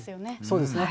そうですね。